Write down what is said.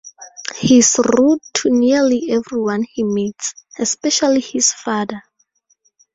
He's rude to nearly everyone he meets, especially his father.